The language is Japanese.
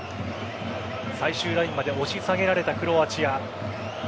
最終ラインまで押し下げられたクロアチア。